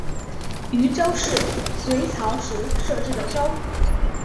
渝州是隋朝时设置的州。